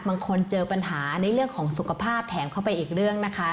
บางคนเจอปัญหาในเรื่องของสุขภาพแถมเข้าไปอีกเรื่องนะคะ